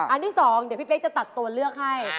อันที่สองเดี๋ยวพี่เป๊กจะตัดตัวเลือกให้